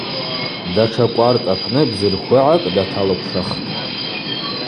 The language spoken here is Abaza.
Датша кӏваркӏ апны бзыльхвыгӏакӏ даталыквшвахтӏ.